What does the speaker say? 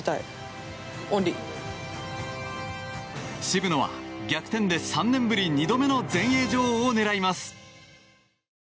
渋野は逆転で３年ぶり２度目の全英女王を狙います。